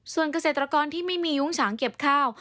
ส่วนเกษตรกรที่ไม่มียุ้งฉางเก็บข้าว